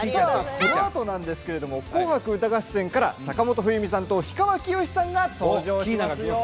このあと「紅白歌合戦」から坂本冬美さんと氷川きよしさんが登場します。